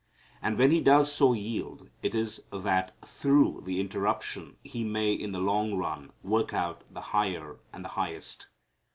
And when He does so yield, it is that through the interruption He may in the long run work out the higher and the highest.